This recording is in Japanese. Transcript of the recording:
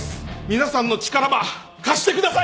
皆さんの力ば貸してください！